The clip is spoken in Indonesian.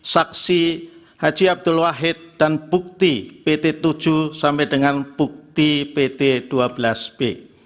saksi haji abdul wahid dan bukti pt tujuh sampai dengan bukti pt dua belas b